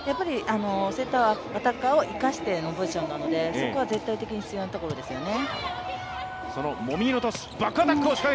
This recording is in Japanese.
セッターはアタッカーを生かしてのポジションなので、そこは絶対的に必要なところですよね。